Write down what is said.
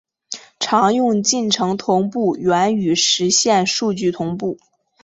常用进程同步原语实现数据同步。